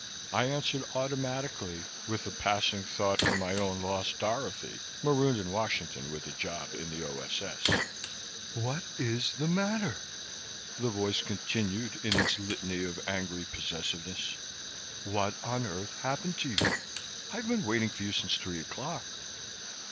I answered automatically, with a passing thought for my own lost Dorothy, marooned in Washington with a job in the O.S.S. "What is the matter?" the voice continued, in its litany of angry possessiveness. "What on earth happened to you? I've been waiting for you since three o'clock."